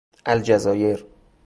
الجزایر